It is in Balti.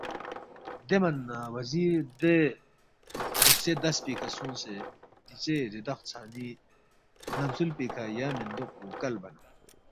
دے من نہ وزیر دے بُرژے دس پیکھہ سونگسے دیژے ریدخ ژھنگمی سنمسُول پیکھہ یا مِندوق پو کلبا نہ